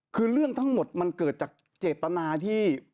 คือเรื่องทั้งหมดมันเกิดจากเจตนาที่